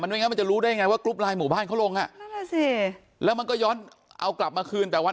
ไม่งั้นมันจะรู้ได้ยังไงว่ากรุ๊ปไลน์หมู่บ้านเขาลงอ่ะนั่นแหละสิแล้วมันก็ย้อนเอากลับมาคืนแต่วัน